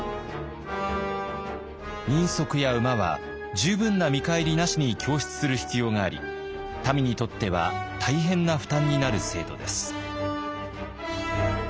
人足や馬は十分な見返りなしに供出する必要があり民にとっては大変な負担になる制度です。